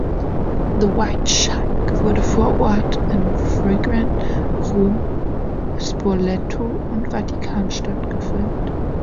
„The White Sheik“ wurde vor Ort in Fregene, Rom, Spoleto und Vatikanstadt gefilmt.